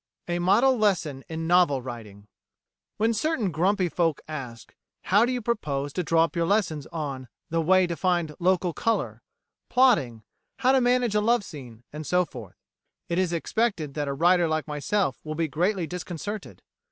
"[5:A] A Model Lesson in Novel Writing When certain grumpy folk ask: "How do you propose to draw up your lessons on 'The way to find Local Colour'; 'Plotting'; 'How to manage a Love Scene,' and so forth?" it is expected that a writer like myself will be greatly disconcerted.